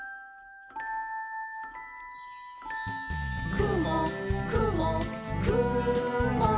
「くもくもくも」